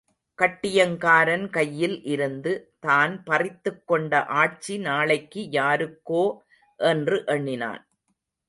கட்டியங்காரன் கையில் இருந்து தான் பறித்துக் கொண்ட ஆட்சி நாளைக்கு யாருக்கோ என்று என்ணினான்.